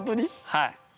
◆はい。